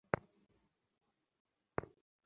কামড়ে দিয়ে নাকামি করতে এলেন।